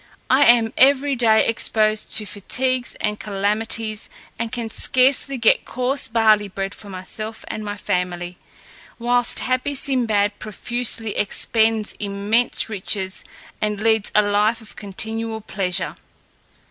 I am every day exposed to fatigues and calamities, and can scarcely get coarse barley bread for myself and my family, whilst happy Sinbad profusely expends immense riches, and leads a life of continual pleasure.